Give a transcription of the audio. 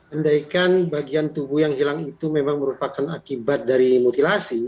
andaikan bagian tubuh yang hilang itu memang merupakan akibat dari mutilasi